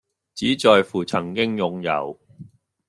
只在乎曾經擁有